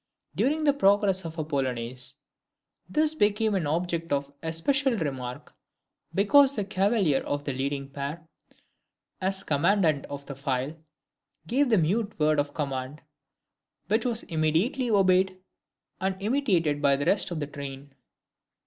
During the progress of a Polonaise, this became an object of especial remark, because the cavalier of the leading pair, as commandant of the file, gave the mute word of command, which was immediately obeyed and imitated by the rest of the train.